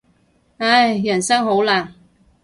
唉，人生好難。